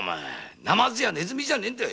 ナマズやネズミじゃねぇんだ。